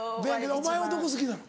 お前はどこ好きなの？